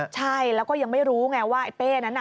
ใช่แล้วก็ยังไม่รู้ไงว่าไอ้เป้นั้นน่ะ